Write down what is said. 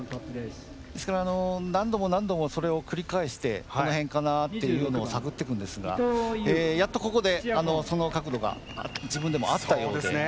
ですから、何度も何度もそれを繰り返して、この辺かなっていうのを探っていくんですがやっとここで、その角度が自分でも合ったようで。